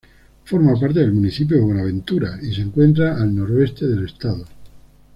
Forma parte del municipio de Buenaventura y se encuentra al noroeste del estado.